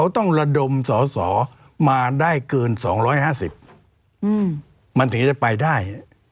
ต้องระดมสอสอมาได้เกิน๒๕๐มันถึงจะไปได้